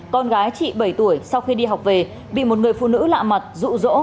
con gái chị bảy tuổi sau khi đi học về bị một người phụ nữ lạ mặt rụ rỗ